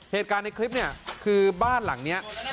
เหตุการณ์ในคลิปเนี่ยคือบ้านหลังนี้